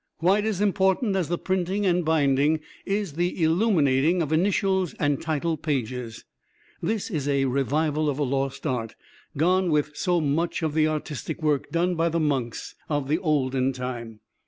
Quite as important as the printing and binding is the illuminating of initials and title pages. This is a revival of a lost art, gone with so much of the artistic work done by the monks of the olden time.